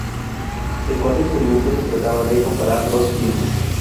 El cuarto experimento se trataba de comparar dos filmes.